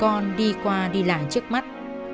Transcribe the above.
có lần hắn còn đi qua đi lại trước mắt